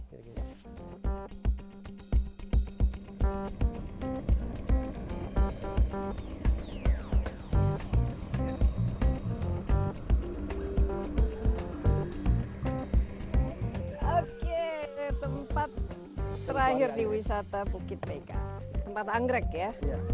oke tempat terakhir di wisata bukit pegah tempat anggrek ya